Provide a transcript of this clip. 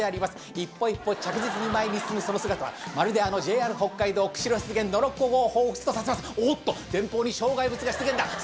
一歩一歩着実に前に進むその姿は、まるであのＪＲ北海道釧路湿原ののろっこごうをおっと、前方に障害物が出現だ。